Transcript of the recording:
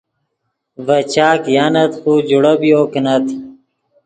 ڤے چاک یانت خو جوڑبیو کینت